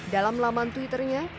dalam laman twitternya